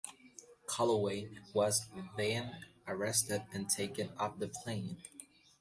Calloway was then arrested and taken off the plane.